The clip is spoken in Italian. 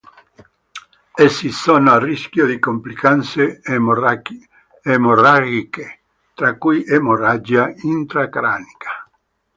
Essi sono a rischio di complicanze emorragiche tra cui emorragia intracranica.